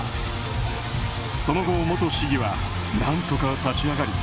その後、元市議は何とか立ち上がり